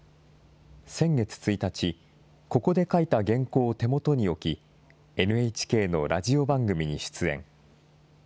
先月１日、ここで書いた原稿を手元に置き、ＮＨＫのラジオ番組に出演。